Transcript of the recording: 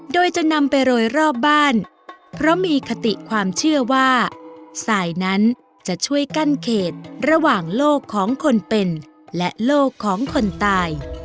โดยจะนำไปโรยรอบบ้านเพราะมีคติความเชื่อว่าสายนั้นจะช่วยกั้นเขตระหว่างโลกของคนเป็นและโลกของคนตาย